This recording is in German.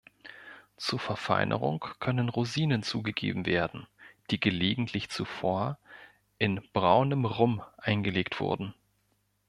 Zur Verfeinerung können Rosinen zugeben werden, die gelegentlich zuvor in braunem Rum eingelegt wurden.